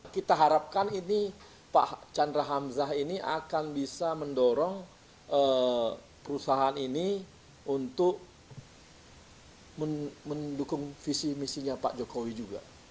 kita harapkan ini pak chandra hamzah ini akan bisa mendorong perusahaan ini untuk mendukung visi misinya pak jokowi juga